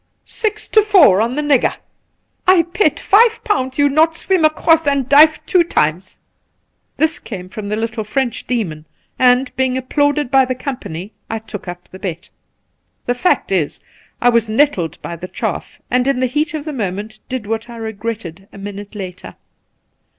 Six to four on the nigger !'' I pet fife pound you not swim agross and dife two times.' This last came from the little French demon, and, being applauded by the company, I took up the bet. The fact is I was nettled by the ehaff, and in the heat of the moment did what I regretted a minute later.